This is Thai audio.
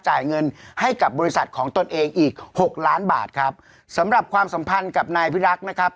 จ่ายเงินให้กับบริษัทของตนเองอีกหกล้านบาทครับสำหรับความสัมพันธ์กับนายพิรักษ์นะครับ